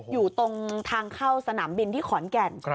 อยู่ตรงทางเข้าสนามบินที่ขอนแก่น